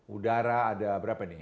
udara ada berapa ini